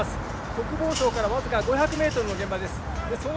国防省からわずか５００ｍの現場です。